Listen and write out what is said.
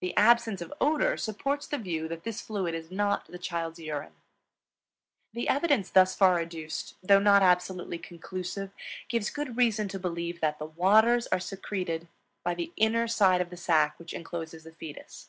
The absence of odor supports the view that this fluid is not the child's urine. The evidence thus far adduced, though not absolutely conclusive, gives good reason to believe that "the waters" are secreted by the inner side of the sac which incloses the fetus.